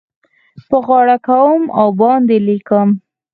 په غاړه کوم او باندې لیکم